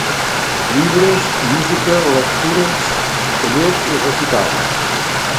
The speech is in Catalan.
Llibres, música, lectures, tallers i recital.